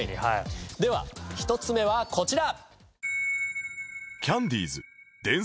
では１つ目はこちら！